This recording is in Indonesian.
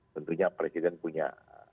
tentunya presiden punya